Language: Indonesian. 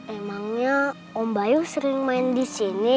emangnya om bayu sering main di sini